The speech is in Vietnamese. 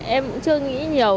em chưa nghĩ nhiều